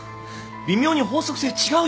微妙に法則性違うよな？